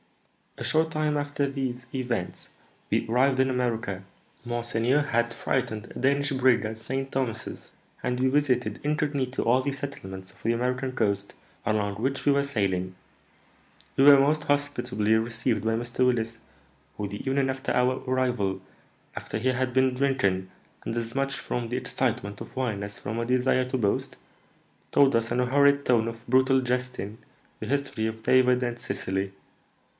"A short time after these events we arrived in America. Monseigneur had freighted a Danish brig at St. Thomas's, and we visited incognito all the settlements of the American coast along which we were sailing. We were most hospitably received by Mr. Willis, who, the evening after our arrival, after he had been drinking, and as much from the excitement of wine as from a desire to boast, told us, in a horrid tone of brutal jesting, the history of David and Cecily.